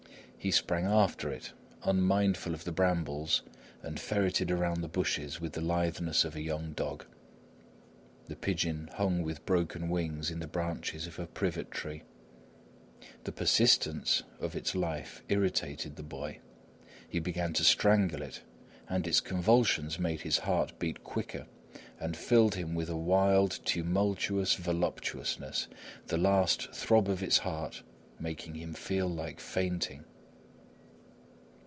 He sprang after it, unmindful of the brambles, and ferreted around the bushes with the litheness of a young dog. The pigeon hung with broken wings in the branches of a privet hedge. The persistence of its life irritated the boy. He began to strangle it, and its convulsions made his heart beat quicker, and filled him with a wild, tumultuous voluptuousness, the last throb of its heart making him feel like fainting.